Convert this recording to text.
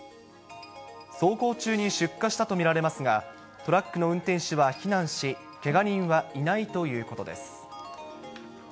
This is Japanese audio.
走行中に出火したと見られますが、トラックの運転手は避難し、けが人はいないということです。